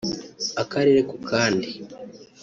akarere ku kandi